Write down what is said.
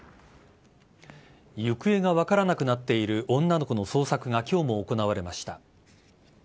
行方が分からなくなっている女の子の捜索が今日も行われました。